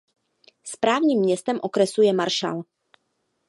Správním městem okresu je Marshall.